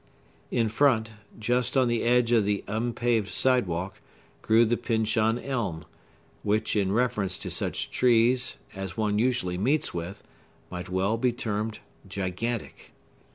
In front, just on the edge of the unpaved sidewalk, grew the Pyncheon Elm, which, in reference to such trees as one usually meets with, might well be termed gigantic.